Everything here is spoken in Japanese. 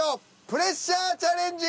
プレッシャーチャレンジ！